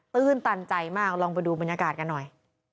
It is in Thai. ื้นตันใจมากลองไปดูบรรยากาศกันหน่อย